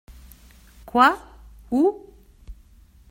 Quoi ? Où ?